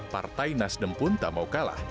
partai nasdem pun tak mau kalah